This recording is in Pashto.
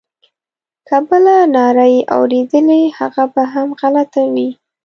که بله ناره یې اورېدلې هغه به هم غلطه وي.